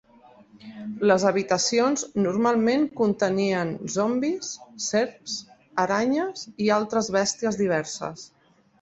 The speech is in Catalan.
Les habitacions normalment contenien zombis, serps, aranyes i altres bèsties diverses.